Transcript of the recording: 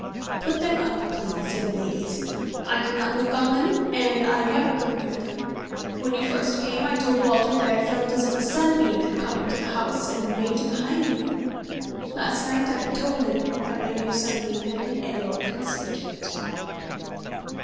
"Put them up, please, young ladies. I cannot look on them, and I never could wear them. When you first came, I told Walter that I felt as if a sunbeam had come into the house and remained behind you. Last night I told him that my new sunbeam had an arrow concealed in it."